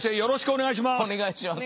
お願いします。